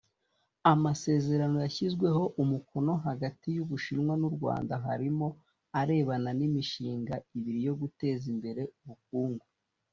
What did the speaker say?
Amasezerano yashyizweho umukono hagati y’ubushinwa n’u Rwanda harimo arebana n’imishinga ibiri yo guteza imbere ubukungu